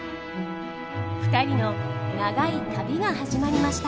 ２人の長い「旅」が始まりました。